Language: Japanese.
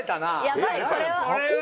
やばいこれは。